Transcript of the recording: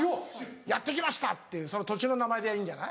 やって来ましたっていうその土地の名前でいいんじゃない？